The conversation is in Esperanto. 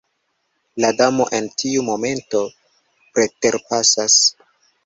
La Damo en tiu momento preterpasas.